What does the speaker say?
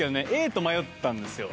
Ａと迷ったんですよ。